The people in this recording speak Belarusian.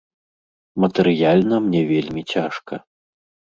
Матэрыяльна мне вельмі цяжка.